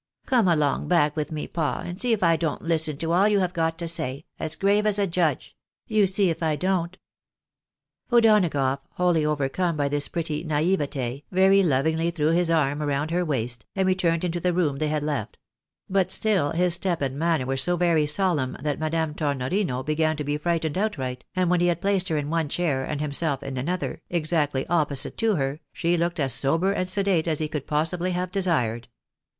Come along back with me pa, and see if I don't listen to all you have got to say, as grave as a judge. You see if I don't." O'Donagough, wholly overcome by this pretty naivete, very lovingly threw his arm round her waist, and returned into the room they had left ; but still his step and manner were so very solemn that Madame Tornorino began to be frightened outright, and when he had placed her in one chair, and himself in another, exactly opposite to her, she looked as sober and sedate as he could possibly have desired.